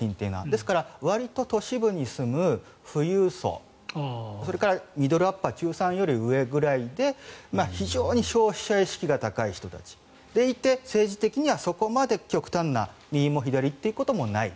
ですから、わりと都市部に住む富裕層それからミドルアッパー中産より上くらいで非常に消費者意識が高い人たちでいて政治的にはそこまで極端な右、左ということもない。